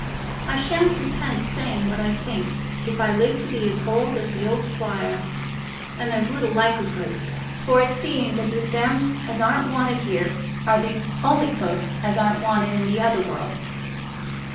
I shan't repent saying what I think, if I live to be as old as th' old squire; and there's little likelihood—for it seems as if them as aren't wanted here are th' only folks as aren't wanted i' th' other world."